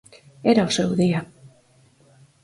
Era o seu día.